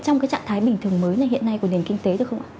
trong trạng thái bình thường mới hiện nay của nền kinh tế được không ạ